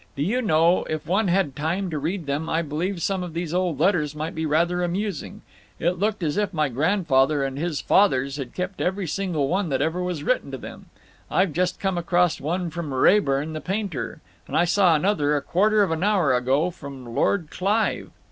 Do you know, if one had time to read them, I believe some of these old letters might be rather amusing. It looked as if my grandfather and his fathers had kept every single one that ever was written to them. I've just come across one from Raeburn, the painter, and I saw another, a quarter of an hour ago, from Lord Clive."